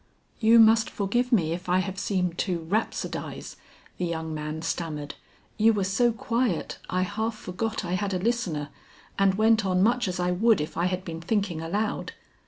"You must forgive me if I have seemed to rhapsodize," the young man stammered. "You were so quiet I half forgot I had a listener and went on much as I would if I had been thinking aloud."